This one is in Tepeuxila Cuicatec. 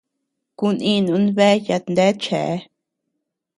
Kuninun bea yatneachea.